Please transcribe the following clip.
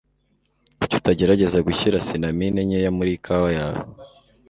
Kuki utagerageza gushyira cinamine nkeya muri kawa yawe?